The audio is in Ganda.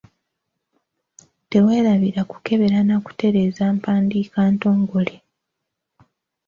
Teweerabira kukebera na kutereeza mpandiika ntongole.